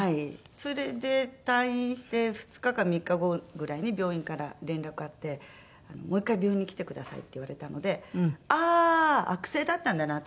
それで退院して２日か３日後ぐらいに病院から連絡あって「もう１回病院に来てください」って言われたのでああー悪性だったんだなと。